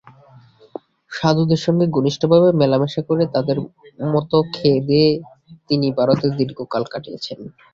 সাধুদের সঙ্গে ঘনিষ্ঠভাবে মেলামেশা করে তাঁদেরই মত খেয়ে-দেয়ে তিনি ভারতে দীর্ঘকাল কাটিয়েছেন।